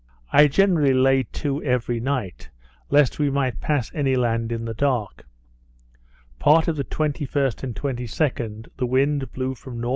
I generally lay to every night, lest we might pass any land in the dark. Part of the 21st and 22d the wind blew from N.W.